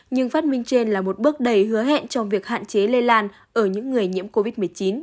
nhưng phát minh trên là một bước đầy hứa hẹn trong việc hạn chế lây lan ở những người nhiễm covid một mươi chín